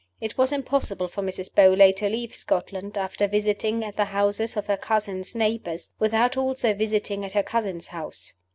It was impossible for Mrs. Beauly to leave Scotland, after visiting at the houses of her cousin's neighbors, without also visiting at her cousin's house.